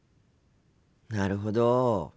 なるほど。